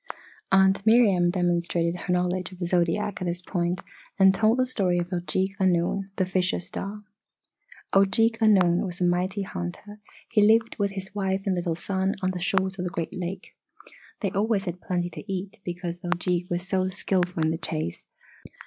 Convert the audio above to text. Aunt Miriam demonstrated her knowledge of the zodiac at this point and told the story of Ojeeg Annung, the Fisher Star. "Ojeeg Annung was a mighty hunter he lived with his wife and little son on the shores of a great lake. They always had plenty to eat because Ojeeg was so skilful in the chase.